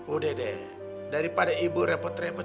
udah deh daripada ibu repot repot